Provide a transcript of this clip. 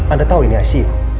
anda tau ini icu